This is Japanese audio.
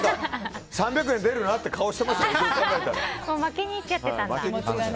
３００円出るなっていう負けに行っちゃってたんだ。